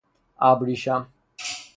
اَبریشم